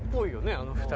あの２人。